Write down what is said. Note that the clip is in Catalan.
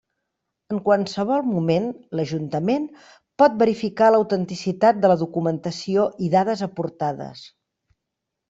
En qualsevol moment l'Ajuntament pot verificar l'autenticitat de la documentació i dades aportades.